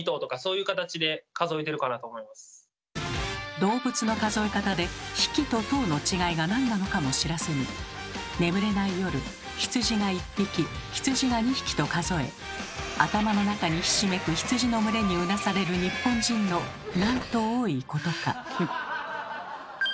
動物の数え方で「匹」と「頭」の違いが何なのかも知らずに眠れない夜羊が１匹羊が２匹と数え頭の中にひしめく羊の群れにうなされる日本人のなんと多いことか。